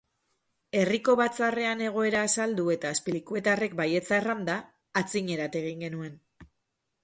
Herriko batzarrean egoera azaldu eta azpilkuetarrek baietza erranda, aitzinerat egin genuen